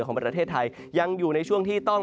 ของประเทศไทยยังอยู่ในช่วงที่ต้อง